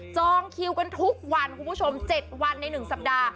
จองคิวกันทุกวันคุณผู้ชม๗วันใน๑สัปดาห์